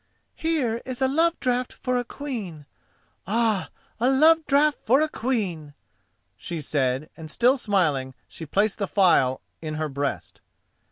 "Here is a love draught for a queen—ah, a love draught for a queen!" she said, and, still smiling, she placed the phial in her breast.